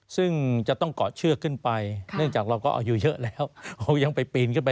ซึ่งจะต้องกักเชื่อกขึ้นไป